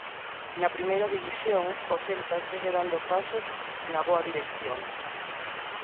Na Primeira División, o Celta segue dando pasos na boa dirección.